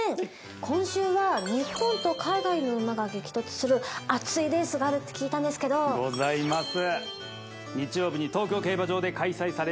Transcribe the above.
今週は日本と海外の馬が激突する熱いレースがあるって聞いたんですけどございます